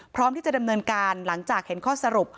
พร้อมที่จะดำเนินการหลังจากเห็นข้อสรุป